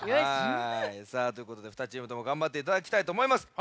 さあということで２チームともがんばっていただきたいとおもいます。